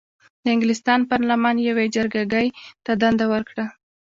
د انګلستان پارلمان یوې جرګه ګۍ ته دنده ورکړه.